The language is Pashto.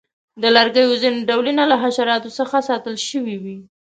د لرګیو ځینې ډولونه له حشراتو څخه ساتل شوي وي.